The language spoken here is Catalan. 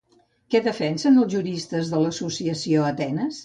Què defensen els juristes de l'Associació Atenes?